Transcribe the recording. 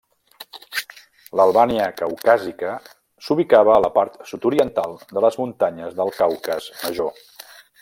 L'Albània caucàsica s'ubicava a la part sud-oriental de les muntanyes del Caucas Major.